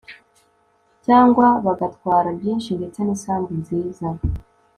cyangwa bagatwara byinshi ndetse n'isambu nziza